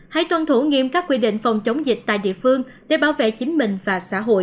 hãy tuân thủ nghiêm các quy định phòng chống dịch tại địa phương để bảo vệ chính mình và xã hội